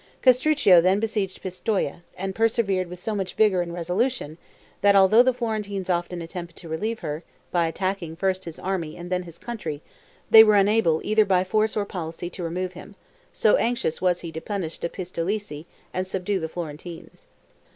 Castruccio then besieged Pistoia, and persevered with so much vigor and resolution, that although the Florentines often attempted to relieve her, by attacking first his army and then his country, they were unable either by force or policy to remove him; so anxious was he to punish the Pistolesi and subdue the Florentines.